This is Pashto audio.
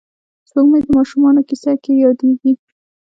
سپوږمۍ د ماشومانو کیسو کې یادېږي